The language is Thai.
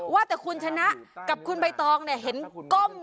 ว่าแต่คุณชนะกับคุณใบตองเนี่ยเห็นก้ม